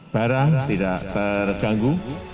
barang tidak terganggu